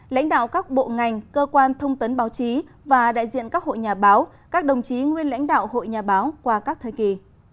lãnh đạo các bộ ngành cơ quan thông tấn báo chí và đại diện các hội nhà báo các đồng chí nguyên lãnh đạo hội nhà báo qua các thời kỳ